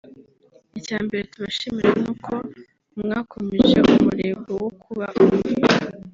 Icya mbere tubashimira ni uko mwakomeje umurego wo kuba umwe